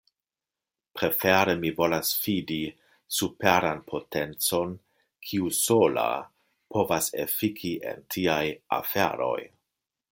Prefere mi volas fidi superan potencon, kiu sola povas efiki en tiaj aferoj.